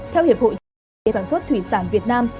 theo hiệp hội sản xuất thủy sản việt nam